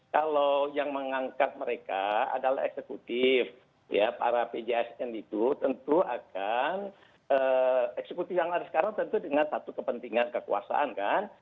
kalau yang mengangkat mereka adalah eksekutif ya para pjsn itu tentu akan eksekutif yang ada sekarang tentu dengan satu kepentingan kekuasaan kan